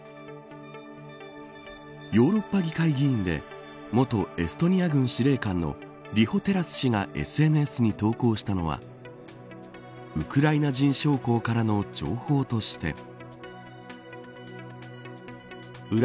ヨーロッパ議会議員で元エストニア軍司令官のリホ・テラス氏がＳＮＳに投稿したのはウクライナ人将校からの情報として。